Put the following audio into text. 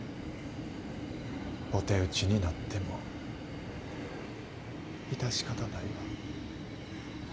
お手討ちになっても致し方ないわ。